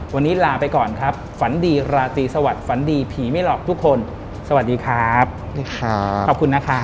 วันนี้ลาไปก่อนครับฝันดีราตรีสวัสดิฝันดีผีไม่หลอกทุกคนสวัสดีครับขอบคุณนะคะ